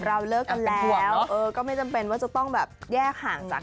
อยากให้ค่อยดูกันไปเรากันว่าจะเป็นอย่างไร